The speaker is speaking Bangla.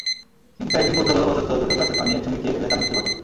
কিন্তু একদিন কৌতূহলবশত দুটো গ্লাসের পানিই একসঙ্গে খেয়ে ফেললে তার মৃত্যু ঘটে।